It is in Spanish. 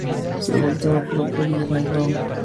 Su último club fue Guillermo Brown.